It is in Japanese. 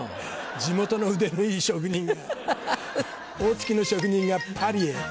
地元の腕のいい職人が大月の職人がパリへ。